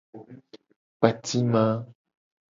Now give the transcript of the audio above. Kpatima.